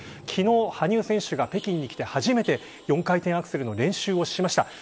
昨日、羽生選手が北京に来て初めて４回転アクセルの練習をしました。